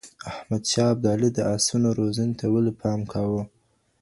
احمد شاه ابدالي د اسونو روزنې ته ولي پام کاوه؟